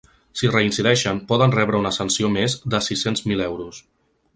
Si reincideixen, poden rebre una sanció més de sis-cents mil euros.